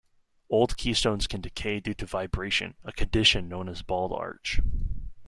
Old keystones can decay due to vibration, a condition known as bald arch.